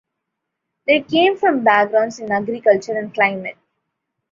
They came from backgrounds in agriculture and climate.